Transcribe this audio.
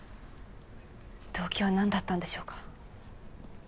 動機は何だったんでしょうか。